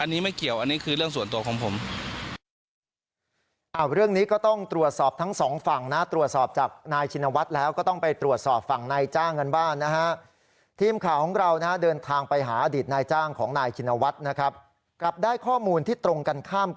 นี่คือเรื่องส่วนตัวของผม